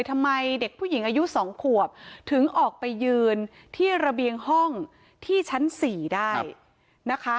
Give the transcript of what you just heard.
ทำไมเด็กผู้หญิงอายุ๒ขวบถึงออกไปยืนที่ระเบียงห้องที่ชั้น๔ได้นะคะ